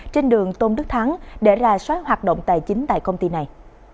trên đường tôn đức thắng để ra soát hoạt động tài chính tại công ty này